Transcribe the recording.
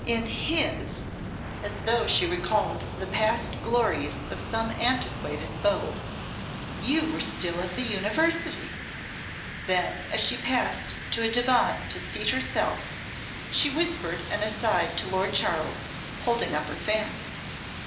In his " (as though she recalled the past glories of some antiquated beau) "you were still at the University." Then as she passed to a divan to seat herself she whispered an aside to Lord Charles, holding up her fan.